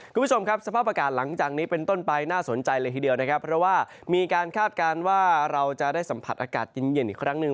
คุณผู้ชมครับสภาพอากาศหลังจากนี้เป็นต้นไปน่าสนใจเลยทีเดียวนะครับเพราะว่ามีการคาดการณ์ว่าเราจะได้สัมผัสอากาศเย็นเย็นอีกครั้งหนึ่ง